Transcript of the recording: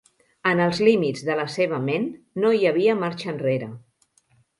En els límits de la seva ment, no hi havia marxa enrere.